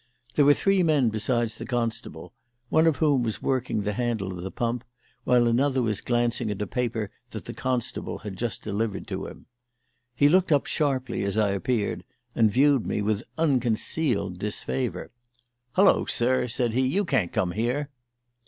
There were three men besides the constable, one of whom was working the handle of the pump, while another was glancing at a paper that the constable had just delivered to him. He looked up sharply as I appeared, and viewed me with unconcealed disfavour. "Hallo, sir!" said he. "You can't come here."